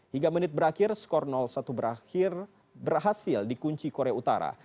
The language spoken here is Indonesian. hingga menit berakhir skor satu berakhir berhasil dikunci korea utara